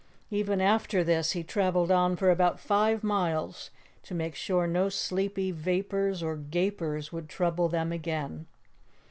Even after this, he traveled on for about five miles to make sure no sleepy vapors or Gapers would trouble them again.